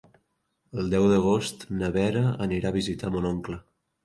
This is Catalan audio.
El deu d'agost na Vera anirà a visitar mon oncle.